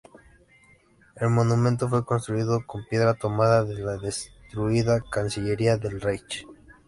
El monumento fue construido con piedra tomada de la destruida Cancillería del Reich.